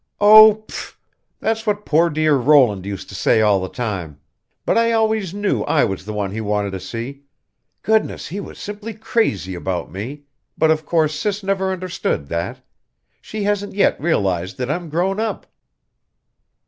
"Oh! pff! That's what poor dear Roland used to say all the time. But I always knew I was the one he wanted to see. Goodness, he was simply crazy about me but of course Sis never understood that. She hasn't yet realized that I'm grown up."